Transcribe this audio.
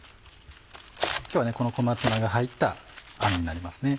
今日はこの小松菜が入ったあんになりますね。